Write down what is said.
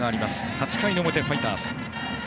８回の表ファイターズ。